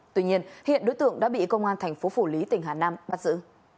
tuy nhiên hiện đối tượng đã bị công an thành phố phủ lý tỉnh hà nam bắt giữ